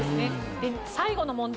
で最後の問題